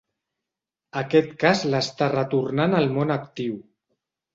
Aquest cas l'està retornant al món actiu.